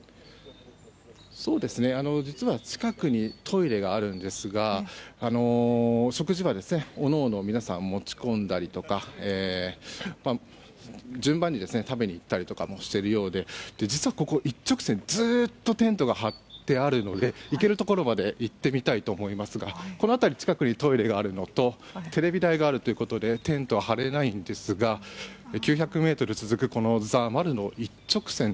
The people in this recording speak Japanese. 実は近くにトイレがあるんですが食事は各々、皆さん持ち込んだりとか順番に食べに行ったりとかもしているようで実はここ、一直線ずっとテントが張ってあるので行けるところまで行ってみたいと思いますがこの辺り近くにトイレがあるのとテレビ台があるということでテントは張れないんですが９００ｍ続くザ・マルの一直線